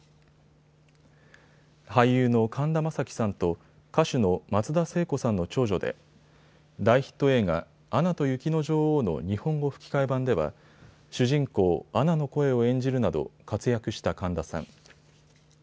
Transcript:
俳優の神田正輝さんと歌手の松田聖子さんの長女で大ヒット映画、アナと雪の女王の日本語吹き替え版では主人公、アナの声を演じるなど活躍した神田さん。